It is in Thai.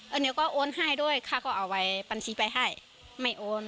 อันนี้ก็โอนให้ด้วยข้าก็เอาไว้บัญชีไปให้ไม่โอน